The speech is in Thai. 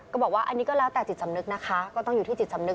ก็บอกว่าอันนี้ก็แล้วแต่จิตสำนึกนะคะก็ต้องอยู่ที่จิตสำนึก